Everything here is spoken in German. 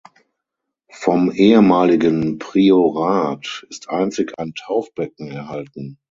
Vom ehemaligen Priorat ist einzig ein Taufbecken erhalten.